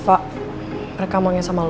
rifa mereka emangnya sama lo